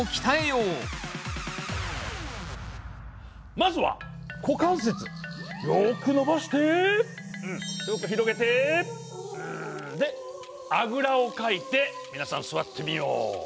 まずは股関節よく伸ばしてよく広げて。であぐらをかいて皆さん座ってみよう。